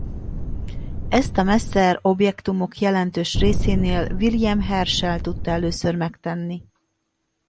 Ezt a Messier-objektumok jelentős részénél William Herschel tudta először megtenni.